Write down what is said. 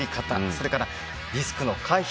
それからリスクの回避。